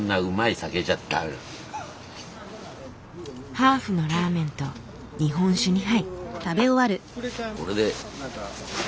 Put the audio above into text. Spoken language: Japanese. ハーフのラーメンと日本酒２杯。